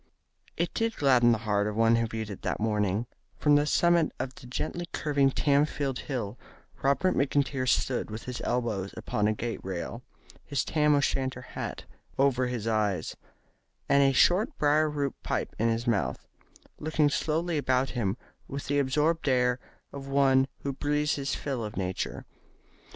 It did gladden the heart of one who viewed it that morning from the summit of the gently curving Tamfield Hill Robert McIntyre stood with his elbows upon a gate rail, his Tam o' Shanter hat over his eyes, and a short briar root pipe in his mouth, looking slowly about him, with the absorbed air of one who breathes his fill of Nature.